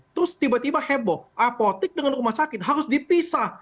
terus tiba tiba heboh apotik dengan rumah sakit harus dipisah